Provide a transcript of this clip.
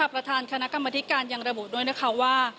ประธานคณะกรรมธิการยังระบุด้วยนะคะว่า